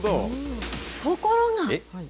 なところが。